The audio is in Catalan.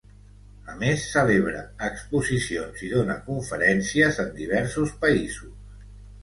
A més celebra exposicions i dóna conferències en diversos països.